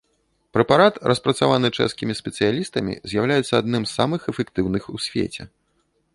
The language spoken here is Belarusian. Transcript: Прэпарат, распрацаваны чэшскімі спецыялістамі, з'яўляецца адным з самых эфектыўных у свеце.